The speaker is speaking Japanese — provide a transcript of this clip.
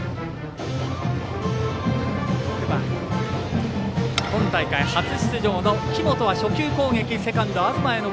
６番、今大会初出場の木本は初球攻撃。